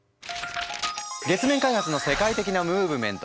月面開発の世界的なムーブメント。